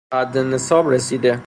به حد نصاب رسیده